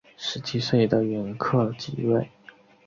十七岁的元恪即位。